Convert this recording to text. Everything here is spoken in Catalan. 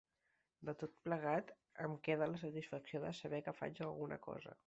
De tot plegat, em queda la satisfacció de saber que faig alguna cosa.